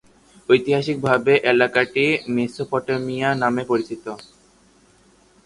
ঐতিহাসিকভাবে, এলাকাটি মেসোপটেমিয়া নামে পরিচিত।